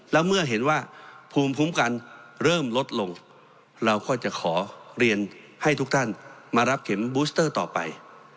แล้วเมื่อเห็นว่าภูมิคุ้มกันเริ่มลดลงเราก็จะขอเรียนให้ทุกท่านมารับเข็มบูสเตอร์ต่อไป